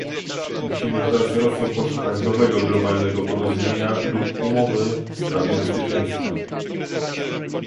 Musimy wraz z Rosją poszukać nowego globalnego porozumienia lub umowy w sprawie bezpieczeństwa